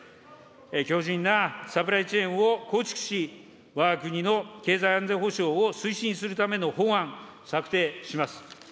強じんなサプライチェーンを構築し、わが国の経済安全保障を推進するための法案、策定します。